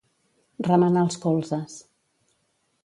Remenar els colzes.